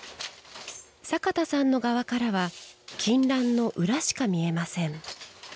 坂田さんの側からは金襴の裏しか見えません。